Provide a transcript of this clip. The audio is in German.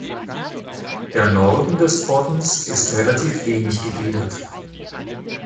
Der Norden des Boddens ist relativ wenig gegliedert.